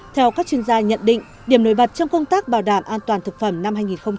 theo các chuyên gia nhận định điểm nổi bật trong công tác bảo đảm an toàn thực phẩm năm hai nghìn hai mươi